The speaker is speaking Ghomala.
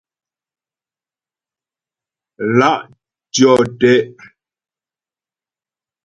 Lá' tyɔ́ te'.